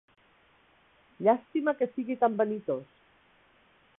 Llàstima que sigui tan vanitós!